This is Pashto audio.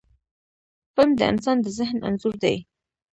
فلم د انسان د ذهن انځور دی